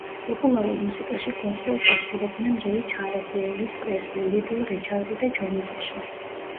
პოპულარულ მუსიკაში გოსპელს ასრულებდნენ რეი ჩარლზი, ელვის პრესლი, ლიტლ რიჩარდი და ჯონი კეში.